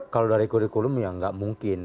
kalau dari kurikulum ya nggak mungkin